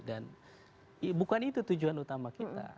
dan bukan itu tujuan utama kita